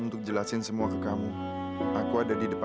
ikut pilihkan singgahku kepada saya